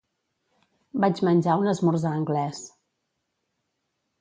Vaig menjar un esmorzar anglès.